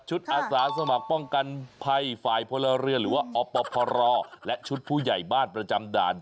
อาสาสมัครป้องกันภัยฝ่ายพลเรือนหรือว่าอปพรและชุดผู้ใหญ่บ้านประจำด่าน